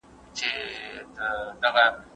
د ټوکر کڅوړې وکاروئ.